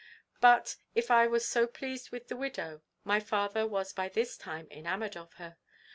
"But, if I was so pleased with the widow, my father was by this time enamoured of her.